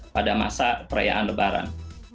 pada masa perayaan lebaran